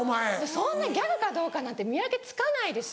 そんなギャグかどうかなんて見分けつかないです。